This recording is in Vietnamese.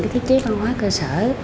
các thiết chế văn hóa cơ sở